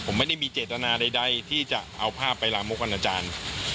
ผมไม่ได้มีเจตนาใดที่จะเอาภาพไปลามกวันอาจารย์